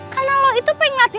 karena lo itu pengen ngantar